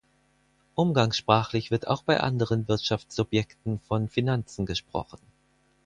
Umgangssprachlich wird auch bei anderen Wirtschaftssubjekten von Finanzen gesprochen.